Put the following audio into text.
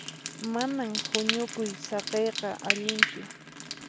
Manan huñukuy saqiyqa allinchu.